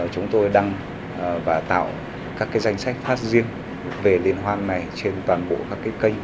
chúng tôi đăng và tạo các cái danh sách phát riêng về liên hoan này trên toàn bộ các cái kênh